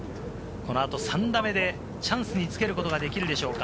この後３打目でチャンスにつけることができるでしょうか。